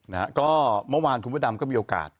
นะฮะก็เมื่อวานคุณพระดำก็มีโอกาส